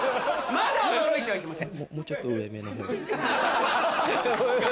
まだ驚いてはいけません。